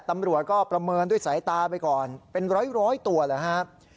ตำรวจก็ประเมินด้วยสายตาไปก่อนเป็นร้อยตัวแล้วครับ